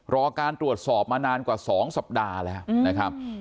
รอการตรวจสอบมานานกว่า๒สัปดาห์แล้วนะครับ